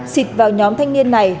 xịt vào nhóm thanh niên này